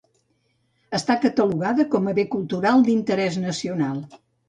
Està catalogada com a Bé Cultural d'Interès Nacional.